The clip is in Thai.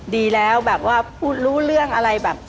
ดีแล้วแบบว่าพูดรู้เรื่องอะไรแบบ